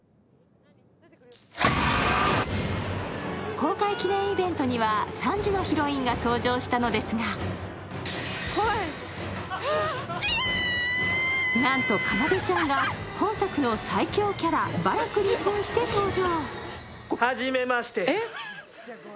公開記念イベントには３時のヒロインが登場したのですがなんと、かなでちゃんが本作の最恐キャラ、ヴァラクにふんして登場。